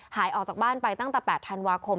หายออกจากบ้านไปตั้งแต่๘ธันวาคม